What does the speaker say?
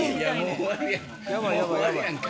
・終わるやんけ！